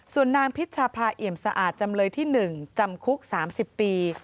ส่วนนางพิชภาเอี่ยมสะอาดจำเลยที่๑จำคุก๓๐ปี